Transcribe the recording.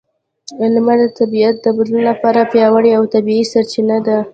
لمر د طبیعت د بدلون لپاره پیاوړې او طبیعي سرچینه ده.